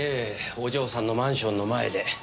お嬢さんのマンションの前で。